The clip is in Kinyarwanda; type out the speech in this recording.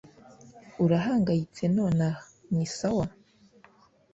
urahangayitse nonaha "ni sawa?"